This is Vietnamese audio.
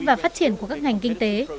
và phát triển của các ngành kinh tế